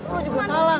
lu juga salah